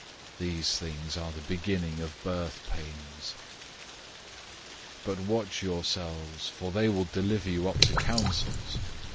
These things are the beginning of birth pains. 013:009 But watch yourselves, for they will deliver you up to councils.